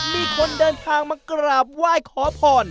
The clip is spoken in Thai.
มีคนเดินทางมากราบไหว้ขอพร